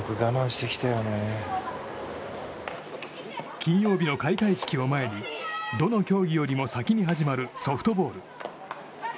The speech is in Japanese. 金曜日の開会式を前にどの競技よりも先に始まるソフトボール。